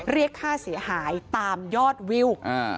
เรียกค่าเสียหายตามยอดวิว